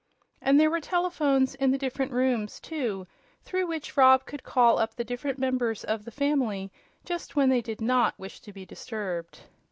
And there were telephones in the different rooms, too, through which Rob could call up the different members of the family just when they did not wish to be disturbed.